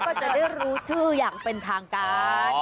ก็จะได้รู้ชื่ออย่างเป็นทางการ